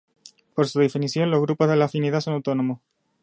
Por su definición, los grupos de la afinidad son autónomos.